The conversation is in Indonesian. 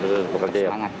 tetap bekerja ya